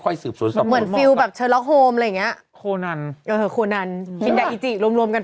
เหมือนฟิวเชอร์ร็อกโฮม